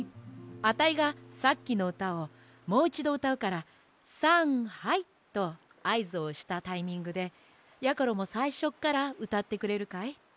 あたいがさっきのうたをもういちどうたうから「さんはい」とあいずをしたタイミングでやころもさいしょからうたってくれるかい？